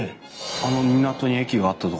あの港に駅があった所